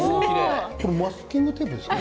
これマスキングテープですか？